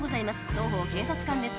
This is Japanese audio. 当方警察官です。